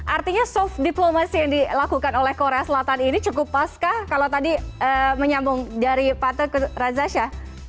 artinya soft diplomacy yang dilakukan oleh korea selatan ini cukup pas kah kalau tadi menyambung dari pate ke rajasya